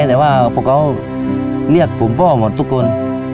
แต่ว่าพวกเขาเรียกกลุ่มพ่อหมดทุกคน